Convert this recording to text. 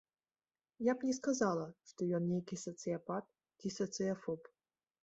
Я б не сказала, што ён нейкі сацыяпат ці сацыяфоб.